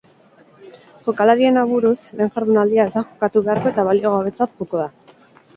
Jokalarien aburuz, lehen jardunaldia ez da jokatu beharko eta baliogabetzat joko da.